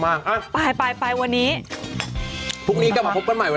มันต้องสักหน่อยแม่